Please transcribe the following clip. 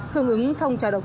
hưởng ứng phòng trào đọc